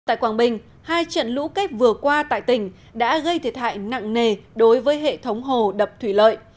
tại quảng bình hai trận lũ kết vừa qua tại tỉnh đã gây thiệt hại nặng nề đối với hệ thống hồ đập thủy lợi